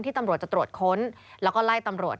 ตำรวจจะตรวจค้นแล้วก็ไล่ตำรวจ